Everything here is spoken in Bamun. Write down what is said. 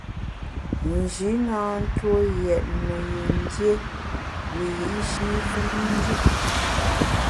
Nji na ntue yètne yin dié wiyi’shi femnjù.